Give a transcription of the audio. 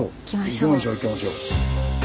行きましょう行きましょう。